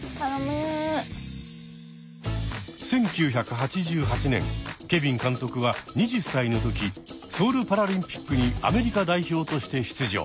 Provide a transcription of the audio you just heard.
１９８８年ケビン監督は２０歳の時ソウルパラリンピックにアメリカ代表として出場。